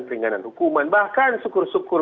keringanan hukuman bahkan syukur syukur